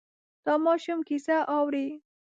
دا ماشوم کیسه اوري.